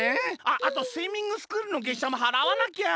あっあとスイミングスクールのげっしゃもはらわなきゃ！